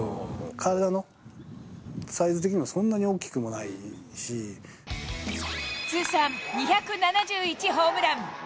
体のサイズ的にもそんなに大きく通算２７１ホームラン。